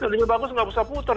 lebih bagus tidak usah putar